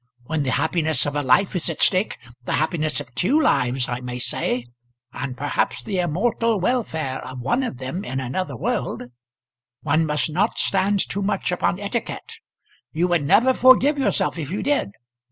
When the happiness of a life is at stake, the happinesses of two lives I may say, and perhaps the immortal welfare of one of them in another world, one must not stand too much upon etiquette. You would never forgive yourself if you did.